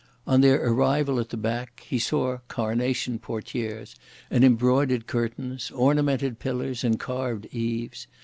On their arrival at the back, he saw carnation portières, and embroidered curtains, ornamented pillars, and carved eaves.